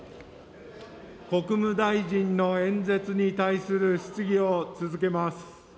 国務大臣の演説に対する質疑を続けます。